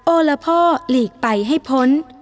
โอละพ่อหลีกไปให้พ้น